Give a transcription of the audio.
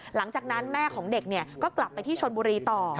หลังจากนั้นแม่ของเด็กก็กลับไปที่ชนบุรีต่อ